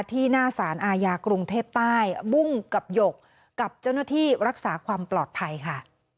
ที่หน้าสารอาญากรุงเทพใต้บุ้งกับหยกกับเจ้าหน้าที่รักษาความปลอดภัยค่ะ